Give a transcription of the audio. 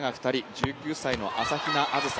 １９歳の朝比奈あずさ。